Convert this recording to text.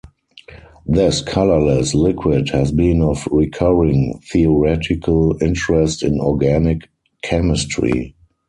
This colourless liquid has been of recurring theoretical interest in organic chemistry.